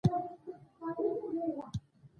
که يوه ناروغي په دارو درمل نه شي ښه.